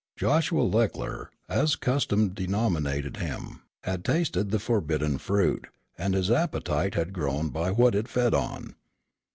Joshua Leckler, as custom denominated him, had tasted of the forbidden fruit, and his appetite had grown by what it fed on.